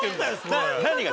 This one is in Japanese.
何が？